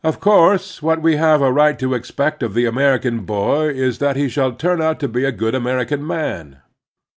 OP course what we have a right to expect of the American boy is that he shall ttim out to be a good American man.